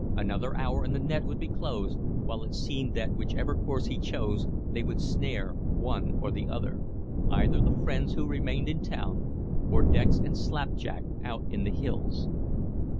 Another hour and the net would be closed, while it seemed that whichever course he chose they would snare one or the other either the friends who remained in town, or Dex and Slapjack out in the hills.